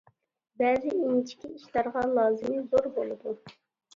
بەزى ئىنچىكە ئىشلارغا لازىمى زور بولىدۇ.